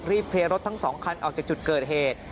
เคลียร์รถทั้ง๒คันออกจากจุดเกิดเหตุ